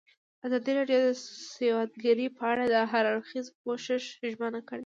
ازادي راډیو د سوداګري په اړه د هر اړخیز پوښښ ژمنه کړې.